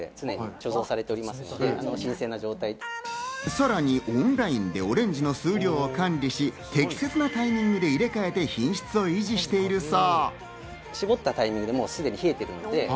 さらにオンラインでオレンジの数量を管理し、適切なタイミングで入れ替えて、品質を維持しているそう。